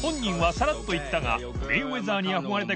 さらっと言ったが磴傭